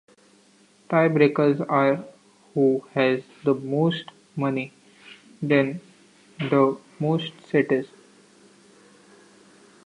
Tie breakers are who has the most money, then the most cities.